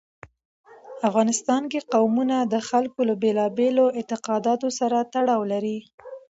افغانستان کې قومونه د خلکو له بېلابېلو اعتقاداتو سره تړاو لري.